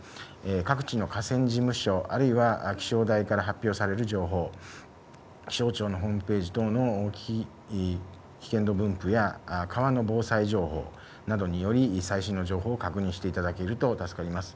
各地の河川事務所、あるいは気象台から発表される情報、気象庁のホームページ等の危険度分布や川の防災情報、最新の情報を確認していただけると助かります。